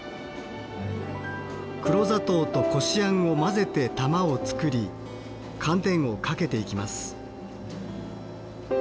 黒砂糖とこしあんを混ぜて玉を作り寒天をかけていきます。